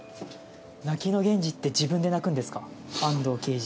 泣きの源次って自分で泣くんですか安堂刑事。